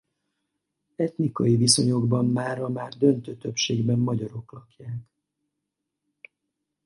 Etnikai viszonyokban mára már döntő többségben magyarok lakják.